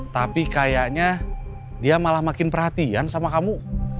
tapi kayaknya dia malah makin perhatian sama kamu